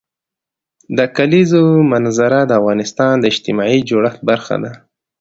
د کلیزو منظره د افغانستان د اجتماعي جوړښت برخه ده.